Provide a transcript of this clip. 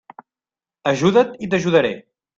Ajuda't i t'ajudaré.